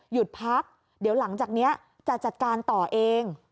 หยุดพักเดี๋ยวหลังจากนี้จะจัดการต่อเอง